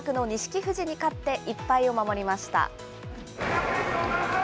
富士に勝って１敗を守りました。